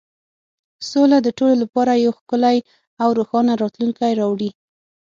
سوله د ټولو لپاره یو ښکلی او روښانه راتلونکی راوړي.